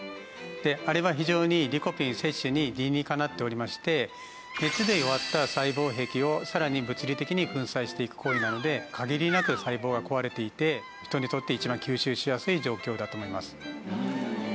であれは非常にリコピン摂取に理にかなっておりまして熱で弱った細胞壁をさらに物理的に粉砕していく行為なので限りなく細胞が壊れていて人にとって一番吸収しやすい状況だと思います。